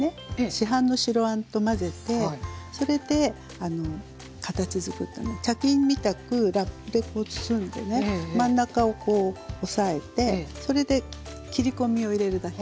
市販の白あんと混ぜてそれで形づくった茶巾みたくラップで包んでね真ん中をこう押さえてそれで切り込みを入れるだけなんです。